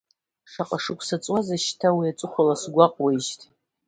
Шаҟа шықәса ҵуазеи шьҭа уи аҵыхәала сгәаҟуеижьҭеи.